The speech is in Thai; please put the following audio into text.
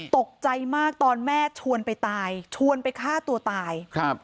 ตกใจมากตอนแม่ชวนไปตายชวนไปฆ่าตัวตายครับ